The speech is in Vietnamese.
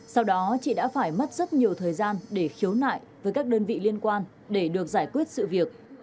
sau đó chị đã phải mất rất nhiều thời gian để khiếu nại với các đơn vị liên quan để được giải quyết sự việc